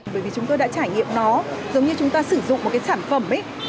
bởi vì chúng tôi đã trải nghiệm nó giống như chúng ta sử dụng một cái sản phẩm đấy